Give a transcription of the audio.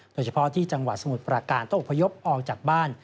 โดยเฉพาะที่จังหวัดสมุทรประการต้องอบพยพออกจากบ้าน